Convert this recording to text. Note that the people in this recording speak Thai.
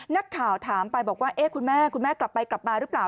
นักข่าวถามไปบอกว่าเอ๊ะคุณแม่คุณแม่กลับไปกลับมาหรือเปล่า